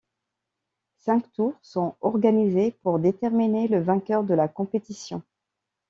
Cinq tours sont organisés pour déterminer le vainqueur de la compétition.